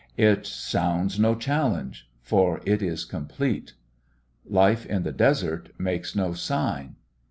It sounds no challenge, for it is complete. Life in the desert makes no sign.